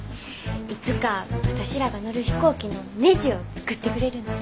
いつか私らが乗る飛行機のねじを作ってくれるんです。